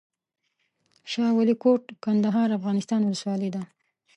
شاه ولي کوټ، کندهار افغانستان ولسوالۍ ده